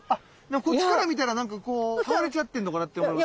こっちから見たらなんかこう倒れちゃってんのかなって思います。